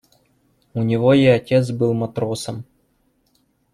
У него и отец был матросом.